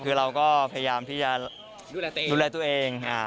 คือเราก็พยายามที่จะดูแลตัวเอง